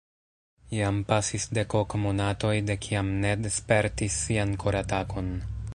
Jam pasis dek ok monatoj de kiam Ned spertis sian koratakon.